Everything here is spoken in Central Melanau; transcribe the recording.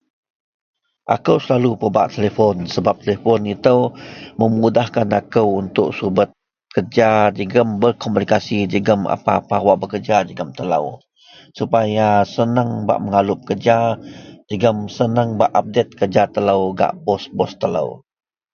Telepon--Ako selalu pebak telepon sebab telepon ito memudahkan akou untuk subet kerja jegum berkomunikasi hegum apah-apah wak kerja jegum telo, seneang bak mengalup kerja jegum seneang bak update kerja telo gak Bos-Bos telo.